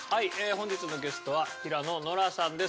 本日のゲストは平野ノラさんです。